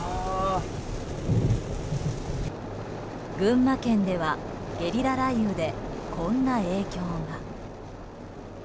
群馬県ではゲリラ雷雨でこんな影響が。